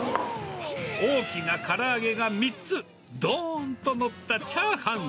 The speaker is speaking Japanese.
大きなから揚げが３つ、どーんと載ったチャーハン。